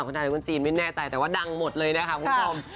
คนไทยคนจีนไม่แน่ใจแต่ว่าดังหมดเลยนะคะคุณผู้ชม